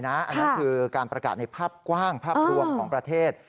อันนั้นคือการประกาศในภาพกว้างภาพรวมของประเทศ